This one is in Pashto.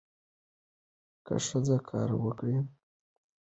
که ښځه کار وکړي، نو کورنۍ ته نوې عاید سرچینې پیدا کوي.